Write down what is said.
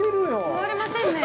◆座れませんね。